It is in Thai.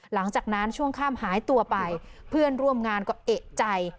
หลังจากนั้นช่วงข้ามหายตัวไปเพื่อนร่วมงานก็เอกใจ